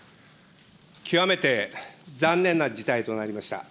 極めて残念な事態となりました。